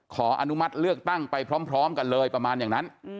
ขออนุมัติเลือกตั้งไปพร้อมกันเลยประมาณอย่างนั้น